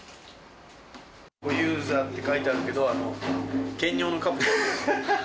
小遊三って書いてあるけど、検尿のカップじゃないですよ。